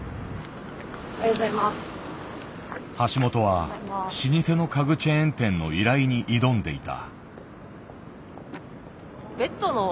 橋本は老舗の家具チェーン店の依頼に挑んでいた。